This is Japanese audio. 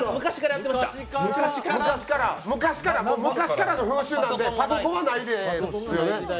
昔からの風習なので、パソコンはないですよね。